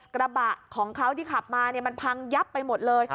กระบะของเขาที่ขับมามันพังยับไปหมดเลย